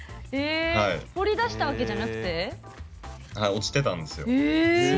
掘り出したわけじゃ落ちてたんですよ。